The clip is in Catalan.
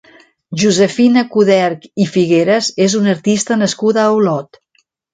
Josefina Coderch i Figueras és una artista nascuda a Olot.